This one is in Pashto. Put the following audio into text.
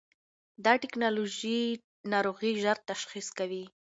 دا ټېکنالوژي ناروغي ژر تشخیص کوي.